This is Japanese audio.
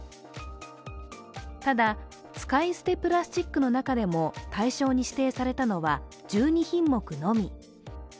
ただ、使い捨てプラスチックの中でも対象に指定されたのは１２品目のみ。